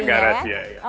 enggak enggak rahasia